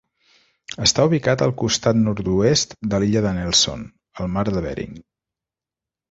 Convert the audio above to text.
Està ubicat al costat nord-oest de l'illa de Nelson, al Mar de Bering.